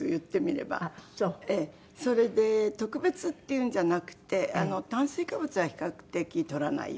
それで特別っていうんじゃなくて炭水化物は比較的取らないようにっていう事ね。